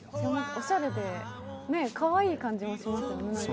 おしゃれでかわいい感じもしますよね。